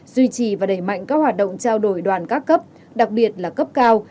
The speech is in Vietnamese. duy trì và đẩy mạnh các hoạt động trao đổi đoàn các cấp đặc biệt là cấp cao